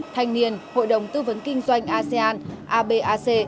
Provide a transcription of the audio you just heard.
thanh niên hội đồng tư vấn kinh doanh asean abac